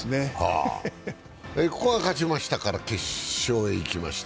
ここが勝ちましたから決勝へ行きました。